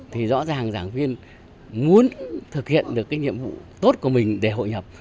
thì rõ ràng giảng viên muốn thực hiện được cái nhiệm vụ tốt của mình để hội nhập